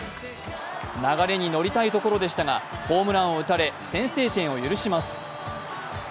流れに乗りたいところでしたがホームランを打たれ先制点を許します。